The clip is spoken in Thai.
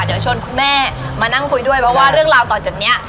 เดี๋ยวชวนคุณแม่มานั่งคุยด้วยเพราะว่าเรื่องราวต่อจากนี้